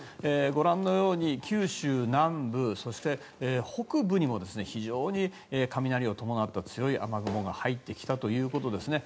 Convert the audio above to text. ご覧のように九州南部そして、北部にも非常に雷を伴った強い雨雲が入ってきたということですね。